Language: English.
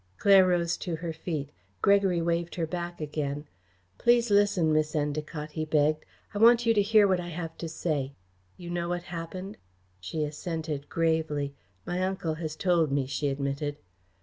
Claire rose to her feet. Gregory waved her back again. "Please listen, Miss Endacott," he begged. "I want you to hear what I have to say. You know what happened?" She assented gravely. "My uncle has told me," she admitted.